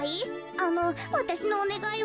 あのわたしのおねがいは。